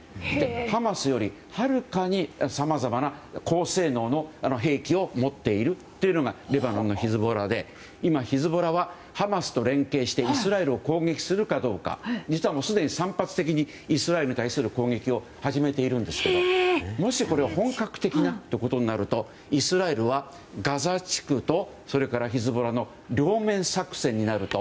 ハマスよりはるかにさまざまな高性能の兵器を持っているのがレバノンのヒズボラで今、ヒズボラはハマスと連携してイスラエルを攻撃するかどうか実は散発的にイスラエルに対する攻撃を始めているんですけどもしこれが本格的なとなるとイスラエルはガザ地区とヒズボラの両面作戦になると。